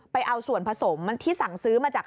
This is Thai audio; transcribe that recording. ไปเอาส่วนผสมที่สั่งซื้อมาจาก